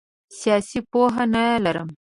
سیاسي پوهه نه لرم.